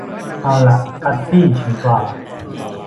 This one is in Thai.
เอาล่ะ กัสซี่ ฉันกล่าว